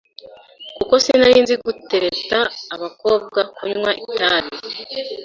kuko sinarinzi gutereta abakobwa, kunywa itabi